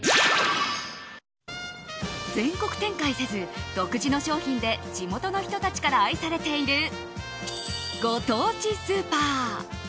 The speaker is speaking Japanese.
全国展開せず、独自の商品で地元の人たちから愛されているご当地スーパー。